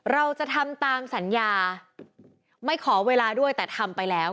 เราจะทำตามสัญญาไม่ขอเวลาด้วยแต่ทำไปแล้ว